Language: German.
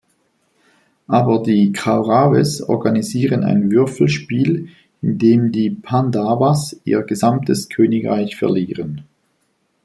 Aber die Kauravas organisieren ein Würfelspiel, in dem die Pandavas ihr gesamtes Königreich verlieren.